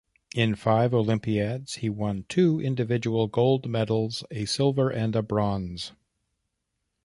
In five Olympiads, he won two individual gold medals, a silver and a bronze.